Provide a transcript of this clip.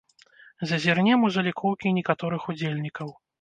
Зазірнем у залікоўкі некаторых удзельнікаў.